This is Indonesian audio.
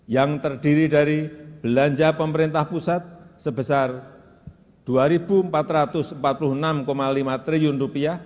yang terdiri dari belanja pemerintah pusat sebesar rp dua empat ratus empat puluh enam lima triliun